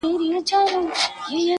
د کرونا ویري نړۍ اخیستې٫